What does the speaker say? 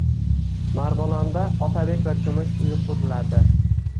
Marg‘ilonda “Otabek va Kumush uyi” quriladi